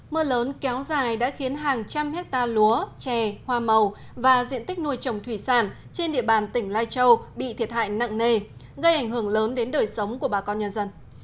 mưa lớn kéo dài đã khiến hàng trăm hectare lúa chè hoa màu và diện tích nuôi trồng thủy sản trên địa bàn tỉnh lai châu bị thiệt hại nặng nề gây ảnh hưởng lớn đến đời sống của bà con nhân dân